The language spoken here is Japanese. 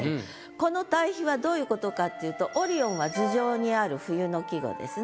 この対比はどういうことかっていうと「オリオン」は頭上にある冬の季語ですね。